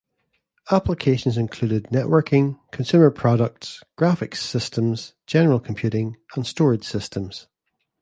Applications included networking, consumer products, graphics systems, general computing, and storage systems.